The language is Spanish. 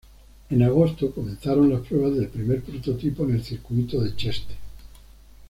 En agosto, comenzaron las pruebas del primer prototipo en el circuito de Cheste.